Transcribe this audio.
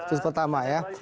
itu pertama ya